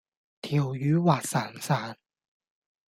條魚滑潺潺